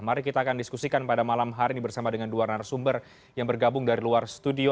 mari kita akan diskusikan pada malam hari ini bersama dengan dua narasumber yang bergabung dari luar studio